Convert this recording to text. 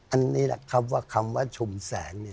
อันนี้แหละครับว่าคำว่าชุมแสงเนี่ย